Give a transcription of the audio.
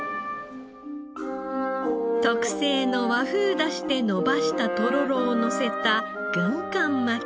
特製の和風出汁で伸ばしたとろろをのせた軍艦巻き。